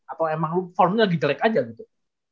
atau emang formnya lagi jelek aja gitu